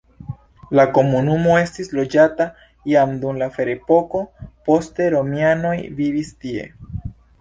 La komunumo estis loĝata jam dum la ferepoko, poste romianoj vivis tie.